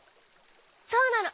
そうなの。